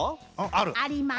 あります。